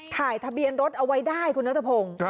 ถ่ายทะเบียนรถเอาไว้ได้คุณนัทพงศ์